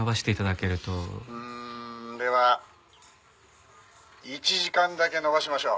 「うんでは１時間だけ延ばしましょう」